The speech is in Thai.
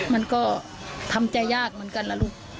มันก็ทำใจยากเหมือนกันนะลูก